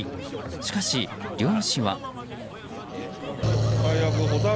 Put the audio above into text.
しかし、漁師は。